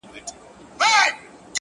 ورځي د وريځي يارانه مــاتـه كـړه؛